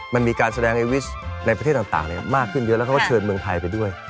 มันมีการแสดงเอวิชในประเทศต่างมากขึ้นเยอะแล้วเขาก็เชิญเมืองไทยไปด้วย